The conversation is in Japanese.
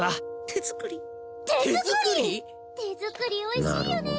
手作りおいしいよね